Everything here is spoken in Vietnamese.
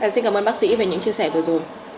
xin cảm ơn bác sĩ về những chia sẻ vừa rồi